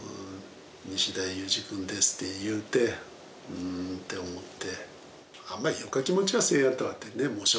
ふんって思って。